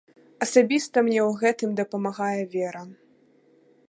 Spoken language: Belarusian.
Асабіста мне ў гэтым дапамагае вера.